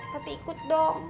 tati ikut dong